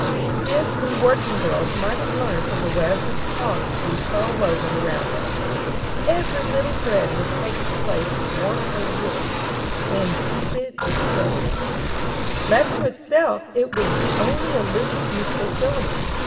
This we working girls might have learned from the webs of cloth we saw woven around us. Every little thread must take its place as warp or woof, and keep in it steadily. Left to itself, it would be only a loose, useless filament.